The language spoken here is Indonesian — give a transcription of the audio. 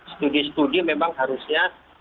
studi studi memang harusnya